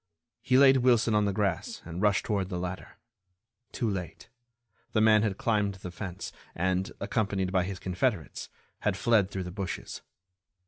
He laid Wilson on the grass and rushed toward the ladder. Too late—the man had climbed the fence and, accompanied by his confederates, had fled through the bushes.